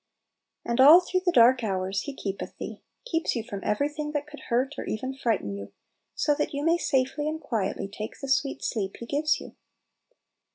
And all through the dark hours He "keepeth thee "; keeps you from every thing that could hurt or even frighten you, so that you may safely and quietly take the sweet sleep He gives you.